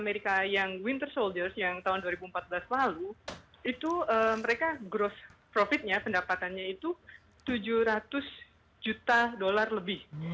jadi kalau kita lihat di winter soldiers yang tahun dua ribu empat belas lalu itu mereka gross profitnya pendapatannya itu tujuh ratus juta dolar lebih